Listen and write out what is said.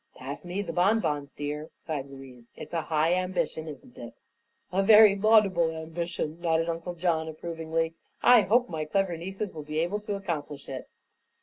"Pass me the bonbons, dear," sighed Louise. "It's a high ambition, isn't it?" "A very laudable ambition," added Uncle John approvingly. "I hope my clever nieces will be able to accomplish it."